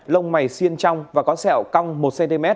lông mày siên trong và có sẹo cong một cm